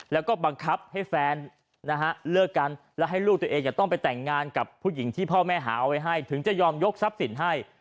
แล้วก็บังคับให้แฟนนะฮะเลิกกันแล้วให้ลูกตัวเองจะต้องไปแต่งงานกับผู้หญิงที่พ่อแม่หาเอาไว้ให้ถึงจะยอมยกทรัพย์สินให้